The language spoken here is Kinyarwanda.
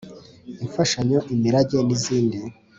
Imfashanyo imirage n izindi